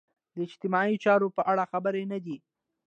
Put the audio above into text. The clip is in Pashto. د اجتماعي چارو په اړه خبر نه دي.